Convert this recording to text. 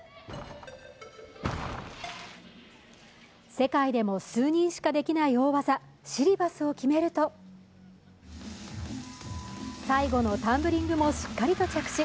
世界でも数人しかできない大技シリバスを決めると最後のタンブリングもしっかり着地。